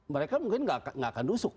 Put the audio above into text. mereka mungkin nggak akan busuk